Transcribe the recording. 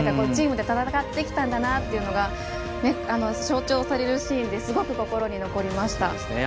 チームで戦ってきたんだなというのを象徴されるシーンですごく心に残りました。